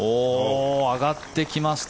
上がってきました